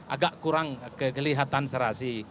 agak kurang kelihatan serasi